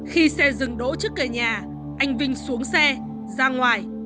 khi xe dừng đỗ trước cây nhà anh vinh xuống xe ra ngoài